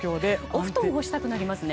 お布団干したくなりますね。